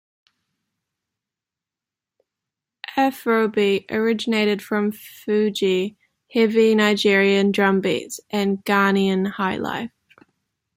Afrobeat originated from Fuji, heavy Nigerian drumbeats, and Ghanaian highlife.